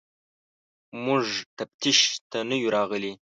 موږ تفتیش ته نه یو راغلي.